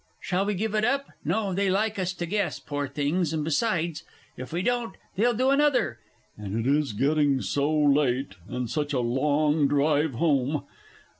Shall we give it up? No, they like us to guess, poor things; and besides, if we don't they'll do another; and it is getting so late, and such a long drive home.